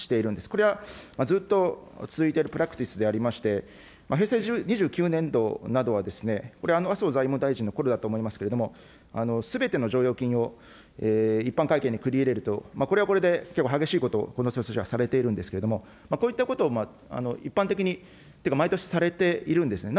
これはずっと続いているプラクティスでありまして、平成２９年度などはですね、これ、麻生財務大臣のころだと思いますけれども、すべての剰余金を一般会計に繰り入れると、これはこれで結構激しいこと、このはされているんですけれども、こういったことを一般的に、毎年されているんですね。